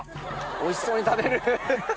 おいしそうに食べる。